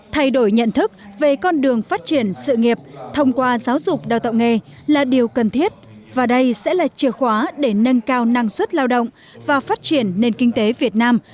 thay đổi nhận thức về con đường phát triển sự nghiệp thông qua giáo dục đào tạo nghề là điều cần thiết và đây sẽ là chìa khóa để nâng cao năng suất lao động và phát triển nền kinh tế việt nam